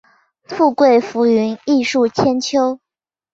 富贵浮云，艺术千秋